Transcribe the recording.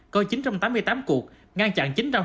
có chín trăm tám mươi tám cuộc ngang chặn